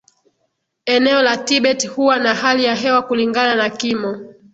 Eneo la Tibet huwa na hali ya hewa kulingana na kimo